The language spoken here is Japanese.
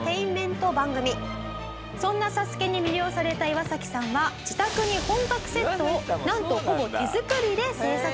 そんな『ＳＡＳＵＫＥ』に魅了されたイワサキさんは自宅に本格セットをなんとほぼ手作りで制作。